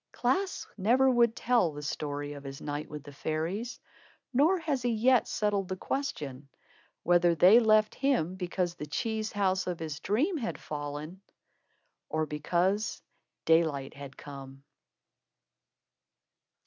Klaas never would tell the story of his night with the fairies, nor has he yet settled the question whether they left him because the cheese house of his dream had fallen, or because daylight had come.